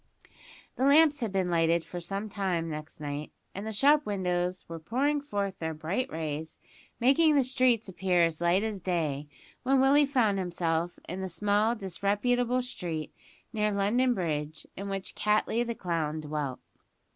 The lamps had been lighted for some time next night, and the shop windows were pouring forth their bright rays, making the streets appear as light as day, when Willie found himself in the small disreputable street near London Bridge in which Cattley the clown dwelt.